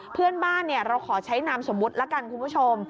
เพื่อนบ้านเราขอใช้นามสมมุติละกันคุณผู้ชม